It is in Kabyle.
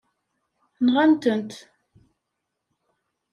Nɣet-tent.